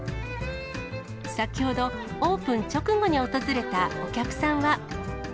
先ほど、オープン直後に訪れたお客さんは。